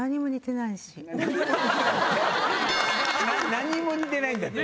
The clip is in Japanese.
何も似てないんだって。